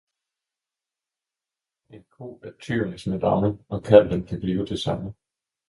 En ko er tyrens madamme, og kalven kan blive det samme